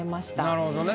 なるほどね。